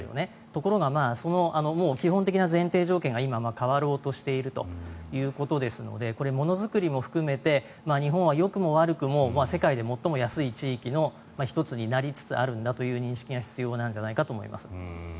ところが、基本的な前提条件が今、変わろうとしているということですのでこれ、ものづくりも含めて日本はよくも悪くも世界で最も安い地域の１つになりつつあるんだという認識が必要なんじゃないかと思います。